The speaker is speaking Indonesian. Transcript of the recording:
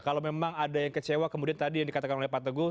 kalau memang ada yang kecewa kemudian tadi yang dikatakan oleh pak teguh